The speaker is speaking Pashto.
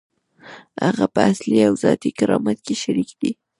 هغه په اصلي او ذاتي کرامت کې شریک دی.